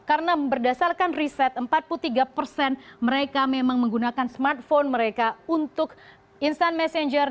karena berdasarkan riset empat puluh tiga persen mereka memang menggunakan smartphone mereka untuk instant messenger